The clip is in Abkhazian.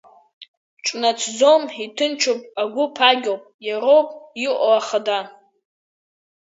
Ҿнаҭӡом, иҭынчуп, агәы ԥагьоуп, иароуп иҟоу ахада.